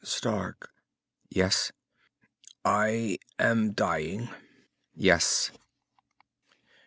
"Stark." "Yes?" "I am dying." "Yes."